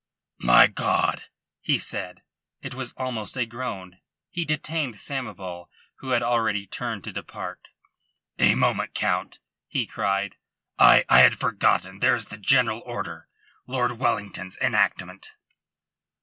"My God!" he said, and it was almost a groan. He detained Samoval, who had already turned to depart. "A moment, Count," he cried. "I I had forgotten. There is the general order Lord Wellington's enactment."